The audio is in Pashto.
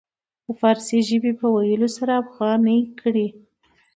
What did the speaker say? د فارسي ژبې په ويلو سره افغاني کړي.